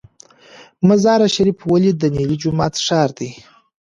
مزار شریف ولې د نیلي جومات ښار دی؟